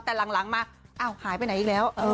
แต่หลังมาอ้าวหายไปไหนอีกแล้ว